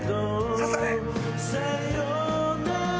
刺され！